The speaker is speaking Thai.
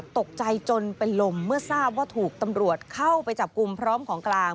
ตกใจจนเป็นลมเมื่อทราบว่าถูกตำรวจเข้าไปจับกลุ่มพร้อมของกลาง